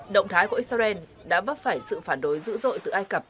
động thái của israel đã vấp phải sự phản đối dữ dội từ ai cập